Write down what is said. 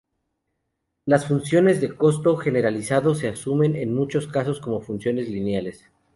Las funciones de costo generalizado se asumen en muchos casos como funciones lineales.